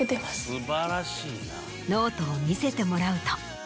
ノートを見せてもらうと。